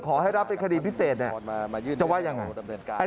ขอให้รับเป็นคดีพิเศษจะว่ายังไง